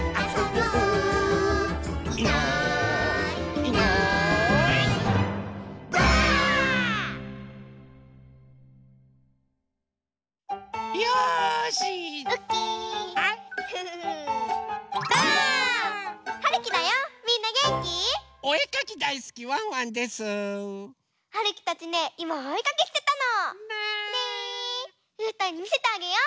うーたんにみせてあげよう！